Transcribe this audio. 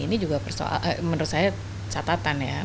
ini juga menurut saya catatan ya